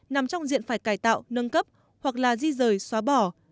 nằm trong diện phải cải tạo nâng cấp hoặc là dí rơi xóa bỏ